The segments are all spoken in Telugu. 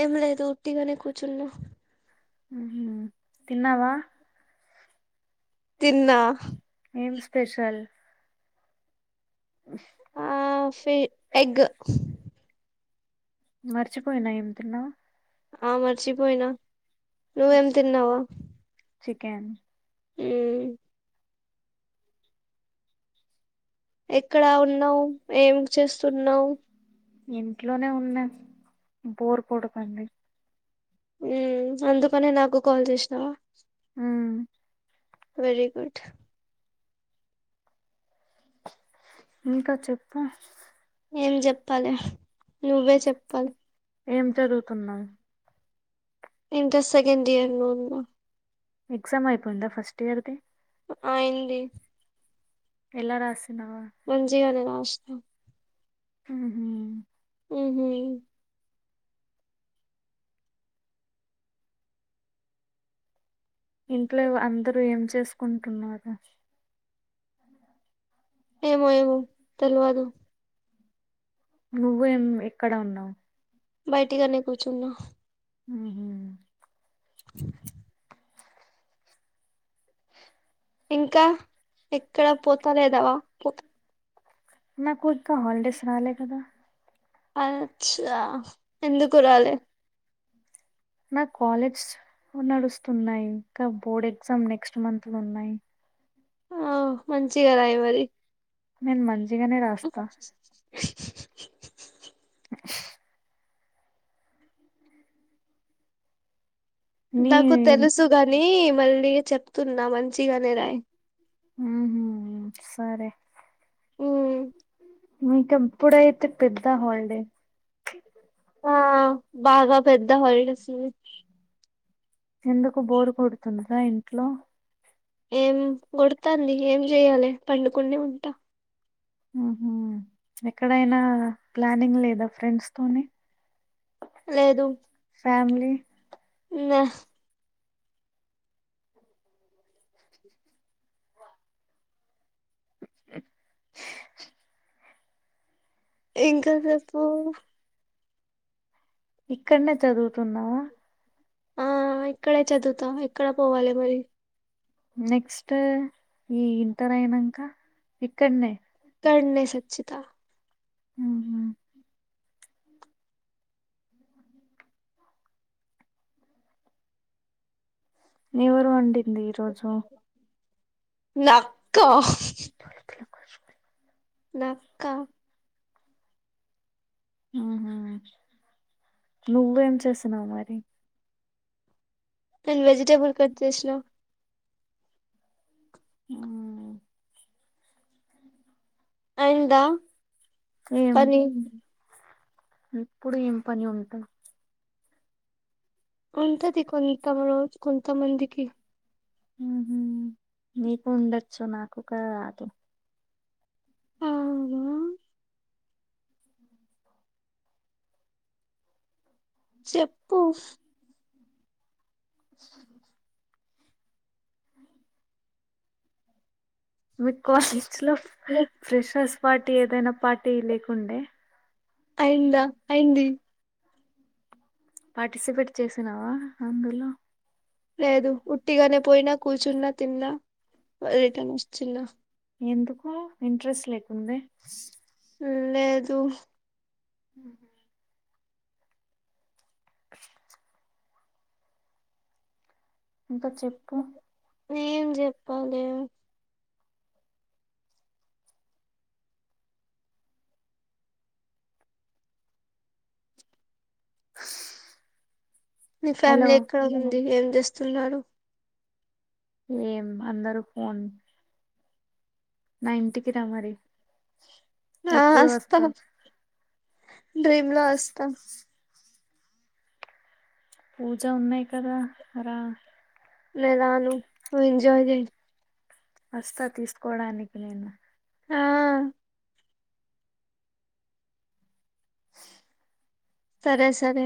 ఎం లేదు ఉట్టిగనే కు చున్నా ఊహూ తిన్నావా తిన్నా ఏం స్పెషల్ ఆ ఫి ఎగ్ మర్చిపోయినా ఏం తిన్నావ్ ఆ మర్చిపోయినా నువ్వేం తిన్నావ్ చికెన్ ఉమ్ ఎక్కడా ఉన్నావ్ ఏం చేస్తున్నావు ఇంట్లోనే ఉన్నా బోరు కొడతంటే హు అందుకనే నాకు కాల్ చేసినావా వెరిగుడ్ ఇంకా చెప్పు ఏం చదువుతున్నావ్ ఇంటర్ సెకండ్ ఇయర్ లో ఉన్న ఎగ్జామ్ ఆయిపోయిందా ఫస్ట్ ఇయర్ది అయింది ఎలారాస మంచి గానే రాస్నా మ్మ్ ఉ హ్మ్ ఇంట్లో ఎ అందరూ ఏం చే చేసుకుంటున్నారు ఏమో ఏమో తెల్వదు నువ్వేం రిక్ అక్కడ ఉన్నాం బైటికనే కూచున్నా హ్మ్ ఇంకా ఎక్కడ పోతా లేదవా పోత అచ్చా ఎందుకు రాలె నా కాలేజ్ నడుస్తున్నాయి ఇంకా బోర్డ్ ఎగ్జామ్ నెక్స్ట్ మంత్ లో ఉన్నాయి నేను మంచిగానే రాస్తా నాకు తెలుసు గాని మళ్ళీ చెప్తున్నా మంచిగానే రాయ్ హ్మ్ సరే మీకెప్పుడైతే పెద్ ట హాలిడే ఆ బాగా పెద్ద హాలిడేస్ ఉన్నాయి ఎందుకు బోరు కొడుతున్నదా ఇన్ ట్లో ఏం కొడతంది ఏం చెయ్యాలె పండుకునే ఉంటా హ్మ్ హ్మ్ ఎక్కడైనా ప్లానింగ్ లేద ఫ్రెండ్స్ తోనే లేదు ఉ ఇంకా చెప్పు ఆ ఇక్కడ్నేచదువుత ఎక్కడ పోవాలి మరి నెక్స్ట్ ఈ ఇంటర్ అయినంక ఇక్కడ్నే సచ్చిత హు హు ఎవరు వండింది ఈరోజు నక్క ష్ నక్క ఆహా నువ్వు ఏం చేస్తున్నావు మరి నేను వెజిటేబుల్ కట్ చేసిన ఆ అయ్యిందా పని ఇప్పుడు ఏం పని ఉంటాయ్ ఉంటది కొంతరో కొంతమందికి హు హు నీకు ఉండొచ్చు న కుకా అట్ల చెప్పు మీ కాలేజ్ లో ఫ్రెషర్స్ పార్టీ ఏదైనా పార్టీ లేకు ఉండే అయింద అయ్యింది పార్టిసిపేట్ చేసినావ అందులొ లేదు ఉట్టిగానే పోయినా కూర్చున్నా తిన్నా రిటర్న్ వచిన్న ఎందుకు ఇంట్రెస్ట్ లేకుంది లేదు హ ఏం చెప్పాలి నీ ఫ్యామిలీ ఎక్కడ ఉంది ఏం తెస్తున్నాడు ఏం అందరు ఫోన్ న ఇంటికి రా మరి ఆ అస్తా డ్రీమ్ లో వస్తా పూజ ఉన్నాయి కదా రా లేదను ఎంజాయ్ చే వస్తా తీసుకోడానికి నేను ఆ సరే సరే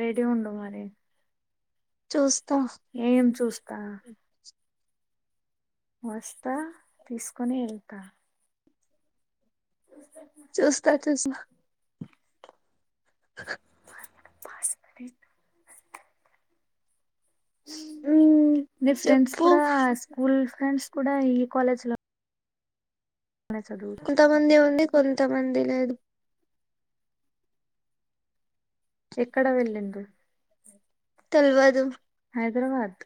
రెడీ ఉండ మరి ఏం చూస్తా వస్తా తీసుకుని వెళ్తా చూస్తా చూస్తా బస్ అ మీ ఫ్రెండ్స్ కూడా స్కూల్ ఫ్రెండ్స్ కూడా ఈ కాలేజ్ లో కొంతమంది ఉంది కొంతమంది లేదు ఎక్కడ వెళ్ళండి తెల్వాదు హైదరాబాద్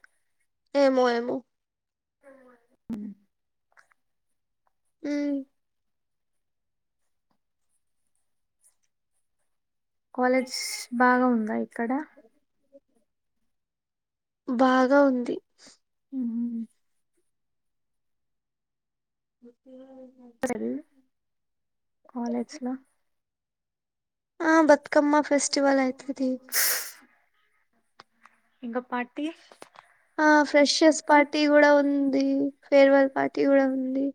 ఏమో ఏమో అ అ కాలేజెస్ బాగా ఉందా ఇక్కడ బాగా ఉంది మత్తే కాలేజ్ లో ఆ బ ఫెస్ [unintelligible] ఇంగ పార్టీ ఆ ఫ్రెషస్ పార్టీ కూడా ఉంది. ఫేర్వెల్ పార్టీ కూడా ఉంది.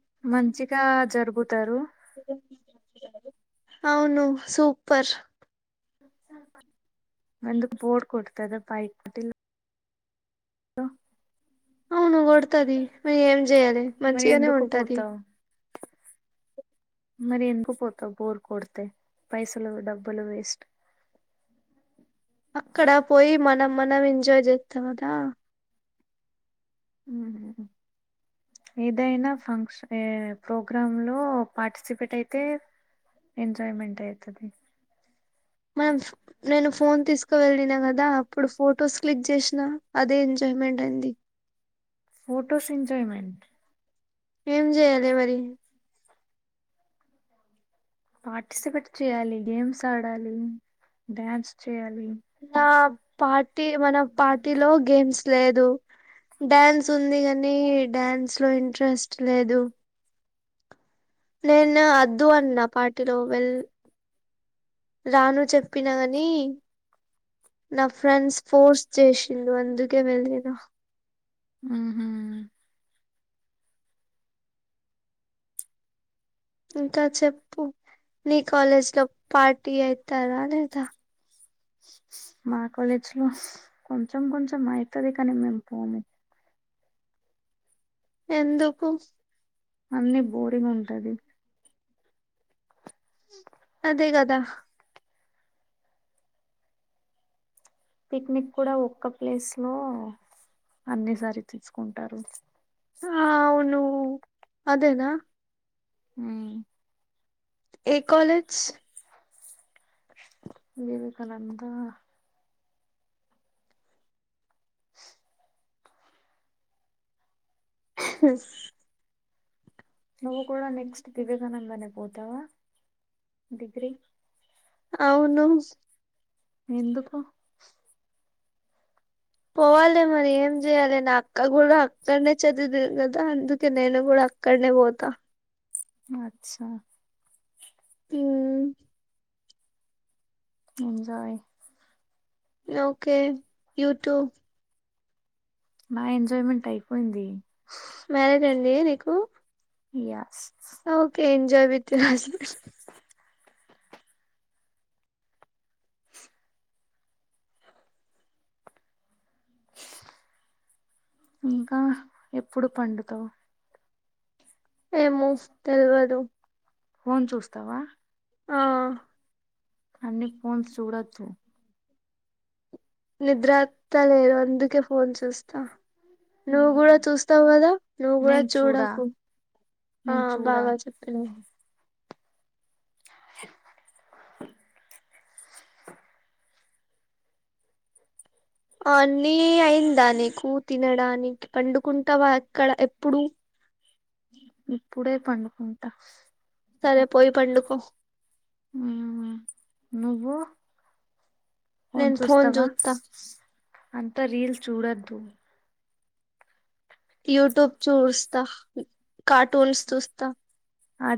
ఇంకా జరుగు అవును సూప్ పర్ అందకు బోర్ కొడతాదా [unintelligible] అవును కొడుతుది ఏం చెయాలి మంచిగానే ఉంటది. మరి ఎందుకుపోతావ్ బోర్ కొడితే పైసలు డబ్బులు వేస్ట్ అక్కడ పోయి మనం మనం ఎంజాయ్ చేస్తాం కదా హు ఏదైనా ఫంక్షన్ ప్రోగ్రామ్ లో పార్టిసిపేట్ అయితే ఎంజాయ్మెంట్ అయితది మనం నేను ఫోన్ తీసుకు వెళ్ళిన కదా అప్పుడు ఫొటోస్ క్లిక్ చేసినా అదే ఎంజాయ్మెంట్ అయింది. ఏం చేయాలి మరి పార్టిసిపేట్ చేయాలి, గేమ్స్ ఆడాలి, డ్యాన్స్ చేయాలి. నా పార్టీ మన పార్టీలో గేమ్స్ లేదు డ్యాన్స్ ఉంది. కానీ డ్యాన్స్ లో ఇంట్రెస్ట్ లేదు నేను వద్దు అన్న పాటి లో వెల్ రాను చెప్పినా కాని నా ఫ్రెండ్స్ ఫోర్స్ చేసిండు అందుకే వెళ్ళినా ఉహు ఇంకా చెప్పు నీ కాలేజ్ లో పార్టీ అయితాదా లేదా మా కాలేజ్ లో కొంచెం కొంచెం అయితది కానీ మేము పోము అన్నీ బోరింగ్ ఉంటది అదే కదా పిక్నిక్ కూడా ఒక్క ప్లేస్ లో అన్ని సారి తీసుకుంటారు. ఆ అవును అదేనా హు ఏ కాలేజ్ హు [unintelligible] స్ నువు కూడా నెక్స్ట్ వివేకానంద నే పోతవా ఎందుకు పోవాలి మరి ఏం చేయాలి నా అక్క కూడా అక్కడనే చదివుతది కదా అందుకే నేను కూడా అక్కడనే పోతా అచ్చా ఎంజాయ్ ఓకే యూటూ నా ఎంజాయ్మెంట్ అయిపోయింది మ్యారేజ్ అండి నీకు yes okay enjoy with you husband ఇంకా ఎప్పుడు పండుతవ్ ఏమో వస్తే గద నిద్రత్తలేదు అందుకే ఫోన్ చూస్తా నువ్వు గుడా చూస్తావు కదా నువ్వు కూడా చూడకు ఆ బాగా చెప్పినవ్ ఆ అన్నీ అయిందా నీకు తినడానికి పండుకుంటావా అక్కడ ఎప్పుడు ఇప్పుడే పండుకుంట హ్మ్ నువ్వు నేన్ ఫోన్ జూత్త అంతే రీల్స్ చూడద్దు యూట్యూబ్ చూస్త కార్టూన్స్ చూస్త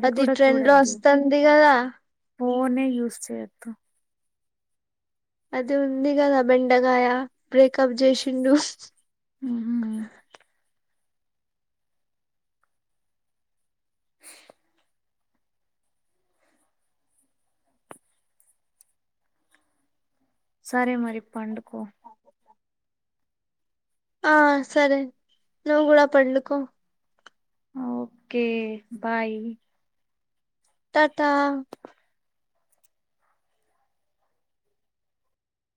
అది ట్రెండ్ లో వస్తుంది కదా అది ఉంది కదా బెండగాయ బ్రేకప్ చేసిండు ఆ సరే నువ్ కూడా పండుకో ఓకే బాయ్ త థా